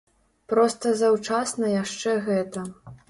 Проста заўчасна яшчэ гэта.